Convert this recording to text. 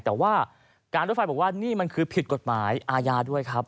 แต่ว่าการรถไฟบอกว่านี่มันคือผิดกฎหมายอาญาด้วยครับ